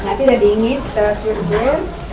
nanti udah dingin kita swirjir